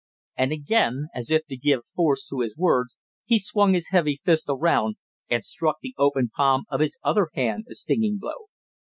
And again, as if to give force to his words, he swung his heavy first around and struck the open palm of his other hand a stinging blow.